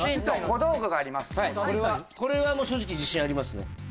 これはもう正直自信ありますね。